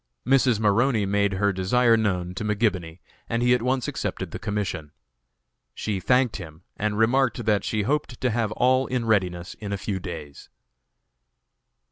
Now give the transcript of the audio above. Mrs. Maroney made her desire known to McGibony, and he at once accepted the commission. She thanked him, and remarked that she hoped to have all in readiness in a few days.